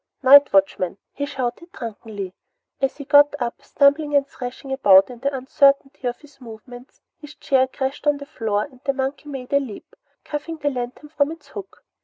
Night watchman!" he shouted drunkenly. As he got up, stumbling and thrashing about in the uncertainty of his movements, his chair crashed to the floor and the monkey made a leap, cuffing the lantern from its hook.